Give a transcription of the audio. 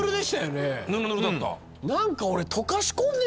何か俺。